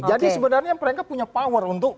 jadi sebenarnya mereka punya power untuk